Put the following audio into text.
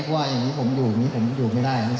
เพราะว่าอย่างนี้ผมอยู่ไม่ได้อยู่ก่อน